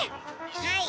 はい。